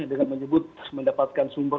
dengan menyebut mendapatkan sumber